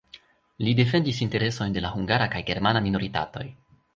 Li defendis interesojn de la hungara kaj germana minoritatoj.